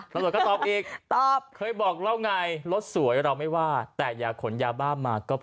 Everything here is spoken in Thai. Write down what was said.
ตำรวจก็ตอบอีกตอบเคยบอกแล้วไงรถสวยเราไม่ว่าแต่อย่าขนยาบ้ามาก็พอ